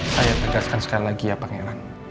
saya tegaskan sekali lagi ya pangeran